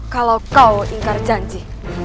kalau kau ingkar janji